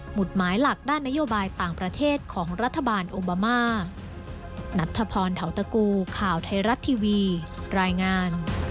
ุดหมายหลักด้านนโยบายต่างประเทศของรัฐบาลโอบามา